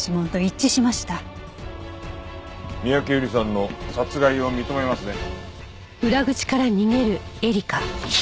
三宅由莉さんの殺害を認めますね？